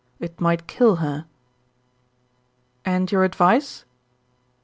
"It might kill her." "And your advice?"